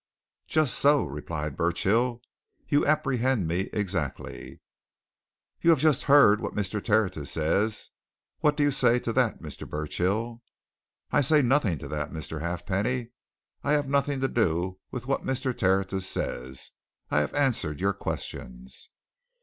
"Just so," replied Burchill. "You apprehend me exactly." "Yet you have just heard what Mr. Tertius says! What do you say to that, Mr. Burchill?" "I say nothing to that, Mr. Halfpenny. I have nothing to do with what Mr. Tertius says. I have answered your questions."